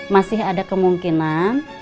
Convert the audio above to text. masih ada kemungkinan